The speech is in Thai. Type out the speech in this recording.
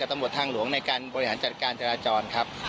ตำรวจทางหลวงในการบริหารจัดการจราจรครับ